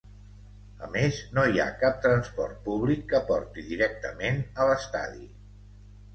A més, no hi ha cap transport públic que porti directament a l'estadi.